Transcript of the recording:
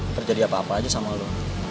terjadi apa apa aja sama lo